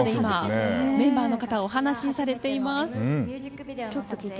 今、メンバーの方がお話しされています。